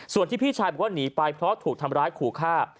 ส่วนที่พี่ชายบอกว่าหนีไปเพราะถูกทำร้ายขู่ฆ่า